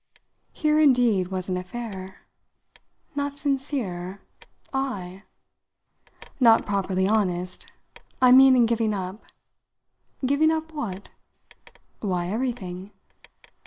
Here indeed was an affair. "Not sincere I?" "Not properly honest. I mean in giving up." "Giving up what?" "Why, everything."